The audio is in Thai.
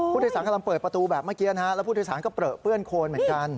ผู้โดยสารกำลังเปิดประตูแบบเมื่อกี้นะฮะแล้วผู้โดยสารก็เปลือเปื้อนโคนเหมือนกัน